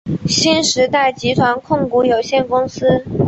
新时代集团控股有限公司。